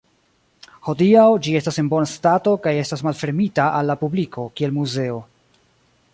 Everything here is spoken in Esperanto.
Hodiaŭ ĝi estas en bona stato kaj estas malfermita al la publiko kiel muzeo.